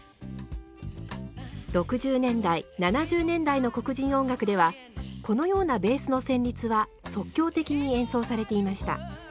６０年代７０年代の黒人音楽ではこのようなベースの旋律は即興的に演奏されていました。